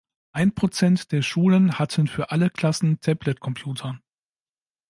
Ein Prozent der Schulen hatten für alle Klassen Tabletcomputer.